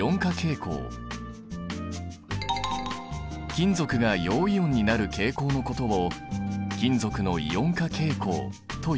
金属が陽イオンになる傾向のことを金属のイオン化傾向という。